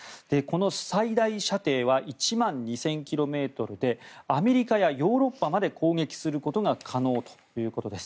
最大射程は１万２０００ｋｍでアメリカやヨーロッパまで攻撃することが可能ということです。